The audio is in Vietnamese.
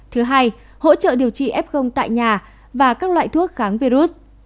thứ hai hỗ trợ điều trị f tại nhà và các loại thuốc kháng virus